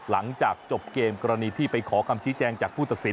หลังจากจบเกมกรณีที่ไปขอคำชี้แจงจากผู้ตัดสิน